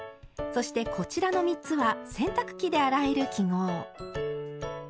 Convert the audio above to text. そしてこちらの３つは洗濯機で洗える記号。